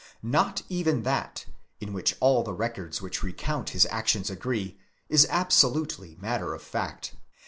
Not even that, in which all the records which recount his actions agree, is absolutely matter of fact.